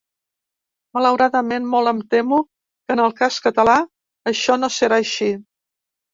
Malauradament, molt em temo que en el cas català, això no serà així.